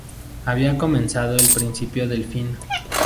Había comenzado el principio del fin.